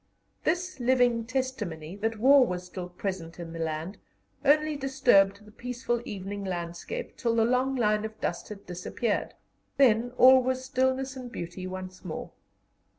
This living testimony that war was still present in the land only disturbed the peaceful evening landscape till the long line of dust had disappeared; then all was stillness and beauty once more.